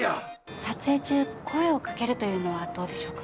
撮影中声をかけるというのはどうでしょうか？